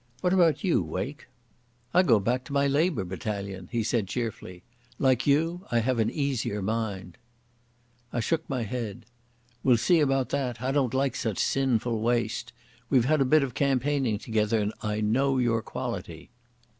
What about you, Wake?" "I go back to my Labour battalion," he said cheerfully. "Like you, I have an easier mind." I shook my head. "We'll see about that. I don't like such sinful waste. We've had a bit of campaigning together and I know your quality."